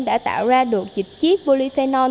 đã tạo ra được dịch chiếc polyphenol